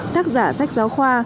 thác giả sách giáo khoa